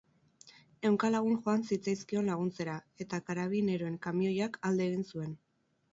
Ehunka lagun joan zitzaizkion laguntzera, eta karabineroen kamioiak alde egin zuen.